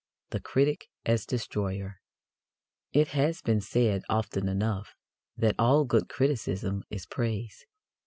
THE CRITIC AS DESTROYER It has been said often enough that all good criticism is praise.